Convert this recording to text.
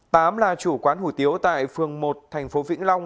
tám là chủ quán hủ tiếu tại phường một tp vĩnh long